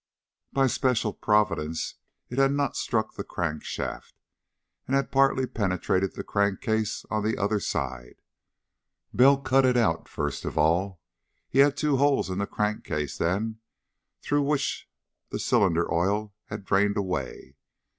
By special providence it had not struck the crankshaft, and had partly penetrated the crankcase on the other side. Bell had cut it out, first of all. He had two holes in the crankcase, then, through which the cylinder oil had drained away.